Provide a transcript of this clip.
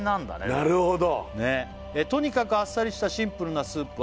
なるほど「とにかくあっさりしたシンプルなスープは」